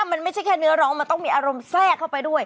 มันไม่ใช่แค่เนื้อร้องมันต้องมีอารมณ์แทรกเข้าไปด้วย